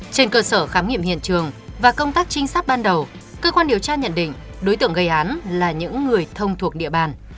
trên cơ sở khám nghiệm hiện trường và công tác trinh sát ban đầu cơ quan điều tra nhận định đối tượng gây án là những người thông thuộc địa bàn